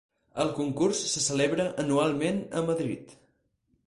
El concurs se celebra anualment a Madrid.